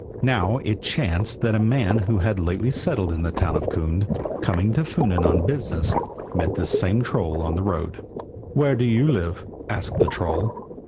Now it chanced that a man who had lately settled in the town of Kund, coming to Funen on business, met this same troll on the road. "Where do you live?" asked the troll.